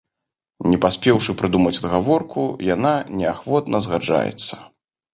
Не паспеўшы прыдумаць адгаворку, яна неахвотна згаджаецца.